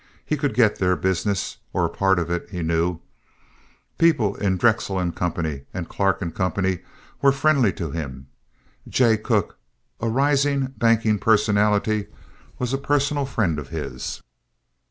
He could get their business, or a part of it, he knew. People in Drexel & Co. and Clark & Co. were friendly to him. Jay Cooke, a rising banking personality, was a personal friend of his.